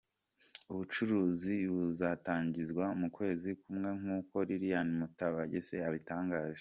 Ubu bucuruzi buzatangizwa mu kwezi kumwe nk’uko Liliane Mukabatesi yabitangaje.